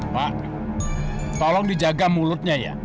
pak tolong dijaga mulutnya ya